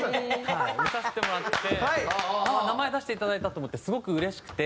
はい見させてもらってて「あっ！名前出していただいた」と思ってすごくうれしくて。